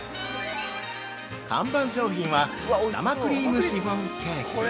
◆看板商品は「生クリームシフォンケーキ」。